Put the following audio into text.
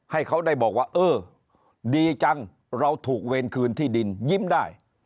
ให้เขาได้บอกว่าเออดีจังเราถูกเวรคืนที่ดินยิ้มได้